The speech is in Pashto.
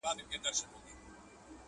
درد او غم به مي سي هېر ستا له آوازه!.